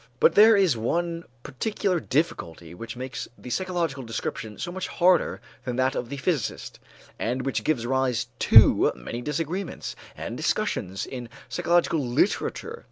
But there is one particular difficulty which makes the psychological description so much harder than that of the physicist, and which gives rise to many disagreements and discussions in psychological literature.